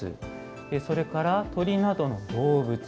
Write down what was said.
それから、鳥などの動物。